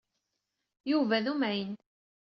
Yuba d umɛin.